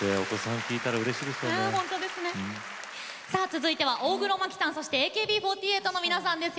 続いては大黒摩季さんそしてＡＫＢ４８の皆さんです。